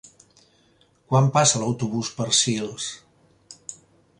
Quan passa l'autobús per Sils?